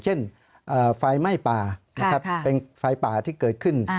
เป็นฝ่ายไหม้ปลาเป็นฝ่ายปลาที่เกิดขึ้น